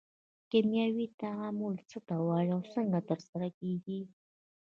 کیمیاوي تعامل څه ته وایي او څنګه ترسره کیږي